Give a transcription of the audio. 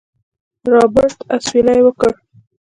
رابرټ اسويلى وکړ.